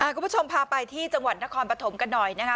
คุณผู้ชมพาไปที่จังหวัดนครปฐมกันหน่อยนะคะ